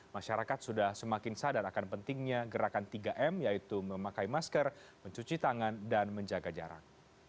masyarakat sudah semakin sadar akan pentingnya gerakan tiga m yaitu memakai masker mencuci tangan dan menjaga jarak